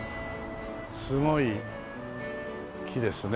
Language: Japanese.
すごい木ですね。